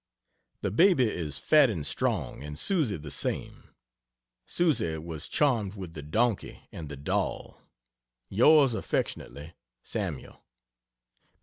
The baby is fat and strong, and Susie the same. Susie was charmed with the donkey and the doll. Ys affectionately SAML.